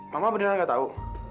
mama beneran gak tahu